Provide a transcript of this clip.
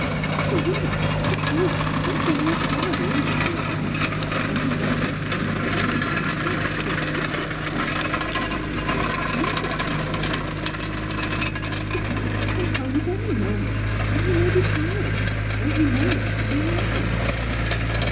' Yes, for poor people who work hard all the year round, and who want an appointed day now and then to get tipsy upon. I have a hundred things to do. Besides, papa may come home at any moment, and he may be tired, or he may want to be alone.'